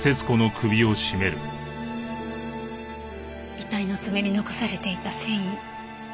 遺体の爪に残されていた繊維。